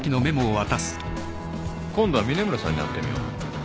今度は峰村さんに会ってみよう。